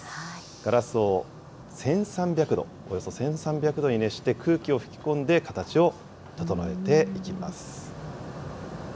ガラスを１３００度、およそ１３００度に熱して、空気を吹き込んで、形を整えていきます。